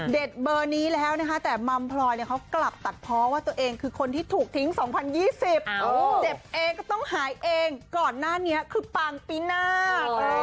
เบอร์นี้แล้วนะคะแต่มัมพลอยเนี่ยเขากลับตัดเพราะว่าตัวเองคือคนที่ถูกทิ้ง๒๐๒๐เจ็บเองก็ต้องหายเองก่อนหน้านี้คือปังปีหน้า